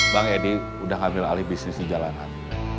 bang edi udah ngambil alih bisnis di jalanan